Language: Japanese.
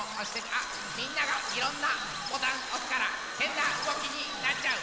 あっみんながいろんなボタンおすからへんなうごきになっちゃう。